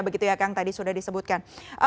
begitu ya kang tadi sudah disebutkan